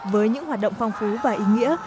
với những hoạt động phong phú và ý nghĩa